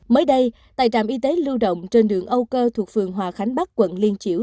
mới đây tại trạm y tế lưu động trên đường âu cơ thuộc phường hòa khánh bắc quận liên triểu